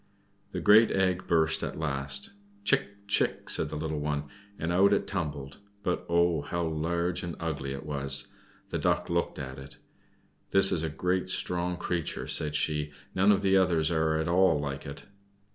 The great egg burst at last. "Chick! chick!" said the little one, and out it tumbled but, oh! how large and ugly it was! The Duck looked at it. "That is a great, strong creature," said she. "None of the others are at all like it.